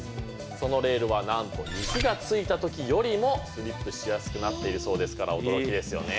そのレールはなんと雪が付いた時よりもスリップしやすくなっているそうですから驚きですよね。